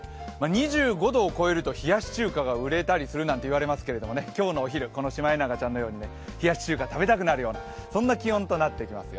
２５度を超えると冷やし中華が売れたりするなんて言いますけど今日のお昼、このシマエナガちゃんのように冷やし中華食べたくなるような気温となってきますよ。